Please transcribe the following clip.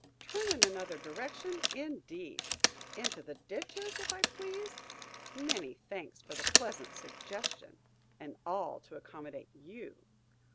Turn in another direction, indeed!–into the ditches if I please–many thanks for the pleasant suggestion–and all to accommodate you!